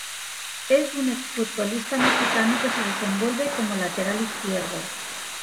Es un exfutbolista mexicano que se desenvuelve como Lateral izquierdo.